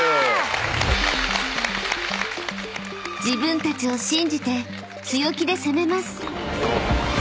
［自分たちを信じて強気で攻めます］